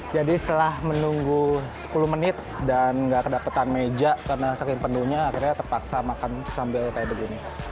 jadi setelah menunggu sepuluh menit dan nggak kedapatan meja karena saking penuhnya akhirnya terpaksa makan sambil kayak begini